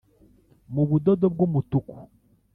Mu budodo bw umutuku